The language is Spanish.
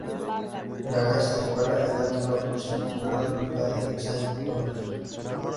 La casa de escuela es la antigua escuela pública de Saint-Gonlay.